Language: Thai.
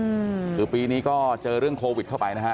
อืมคือปีนี้ก็เจอเรื่องโควิดเข้าไปนะฮะ